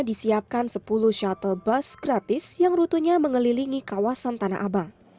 disiapkan sepuluh shuttle bus gratis yang rutunya mengelilingi kawasan tanah abang